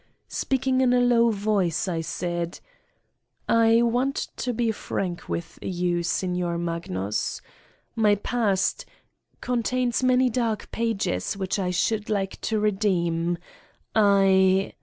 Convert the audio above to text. Speaking in a low voice, I said : "I want to be frank with you, Signor Magnus. My past ... contains many dark pages, which I should like to redeem. I